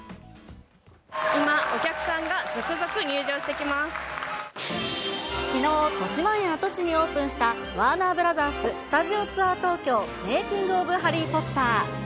今、お客さんが続々入場してきのう、としまえん跡地にオープンした、ワーナーブラザーススタジオツアー東京メイキング・オブ・ハリー・ポッター。